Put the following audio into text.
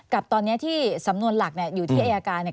กับตอนนี้ที่สำนวนหลักเนี่ยอยู่ที่อายการเนี่ย